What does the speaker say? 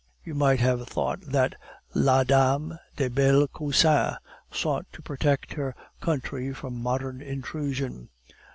You might have thought that La dame des belles cousines sought to protect her country from modern intrusion."